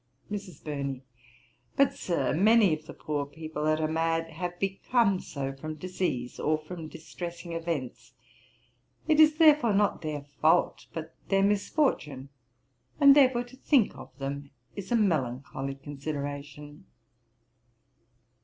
MRS. BURNEY. 'But, Sir, many of the poor people that are mad, have become so from disease, or from distressing events. It is, therefore, not their fault, but their misfortune; and, therefore, to think of them is a melancholy consideration.'